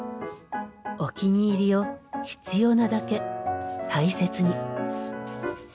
お気に入りを必要なだけ大切に。